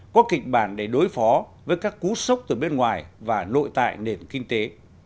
có kịch bản để đối phó với các cú sốc từ bên ngoài và nội tại nền kinh tế